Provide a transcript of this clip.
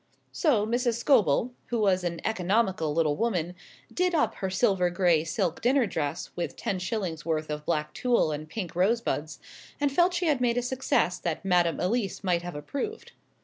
So Mrs. Scobel, who was an economical little woman, "did up" her silver gray silk dinner dress with ten shillings' worth of black tulle and pink rosebuds, and felt she had made a success that Madame Elise might have approved.